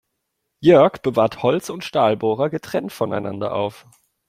Jörg bewahrt Holz- und Stahlbohrer getrennt voneinander auf.